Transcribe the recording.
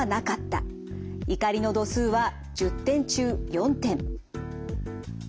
怒りの度数は１０点中４点。